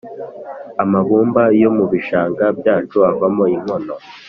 amabumba yo mu bishanga byacu avamo inkono